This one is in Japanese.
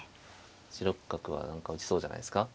１六角は何か打ちそうじゃないですか。